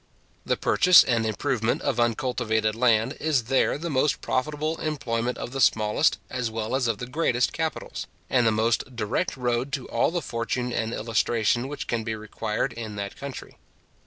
The purchase and improvement of uncultivated land is there the most profitable employment of the smallest as well as of the greatest capitals, and the most direct road to all the fortune and illustration which can be required in that country.